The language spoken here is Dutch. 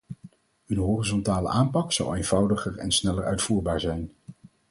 Een horizontale aanpak zou eenvoudiger en sneller uitvoerbaar zijn.